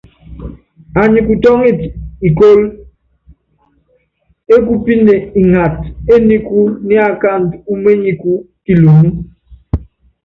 Anyi kutɔ́ŋitɛ ikóló ékupíne ngata éniku ní akáandú uményikú kilunú.